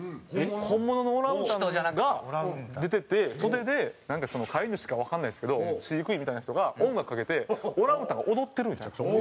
本物のオランウータンが出てて袖でなんか飼い主かわかんないですけど飼育員みたいな人が音楽かけてオランウータンが踊ってるみたいな。